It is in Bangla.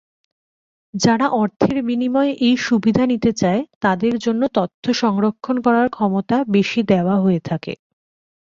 যারা অর্থের বিনিময়ে এই সুবিধা নিতে চায়, তাদের জন্য তথ্য সংরক্ষণ করার ক্ষমতা বেশি দেয়া হয়ে থাকে।